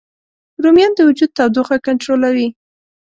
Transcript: رومیان د وجود تودوخه کنټرولوي